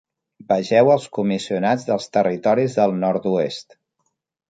Vegeu els comissionats dels territoris del nord-oest.